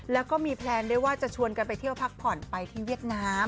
แล้วก็มีแพลนด้วยว่าจะชวนกันไปเที่ยวพักผ่อนไปที่เวียดนาม